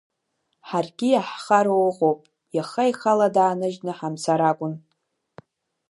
Ҳаргьы иаҳхароу ыҟоуп, иаха ихала дааныжьны ҳамцар акәын.